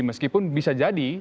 meskipun bisa jadi